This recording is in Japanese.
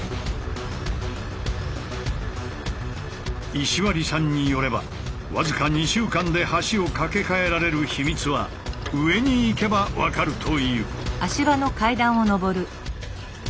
石割さんによれば僅か２週間で橋を架け替えられる秘密は上に行けば分かるという。